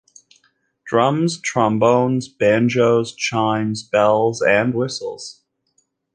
Drums, trombones, banjos, chimes, bells and whistles?